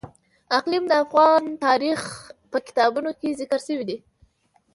اقلیم د افغان تاریخ په کتابونو کې ذکر شوی دي.